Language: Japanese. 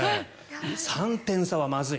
３点差はまずい。